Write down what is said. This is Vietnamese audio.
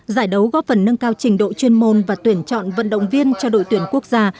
giải đấu góp phần nâng cao trình độ chuyên môn và tuyển chọn vận động viên cho đội tuyển quốc gia